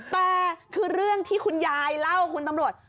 แต่คือเรื่องที่คุณยายเล่าคุณตำรวจ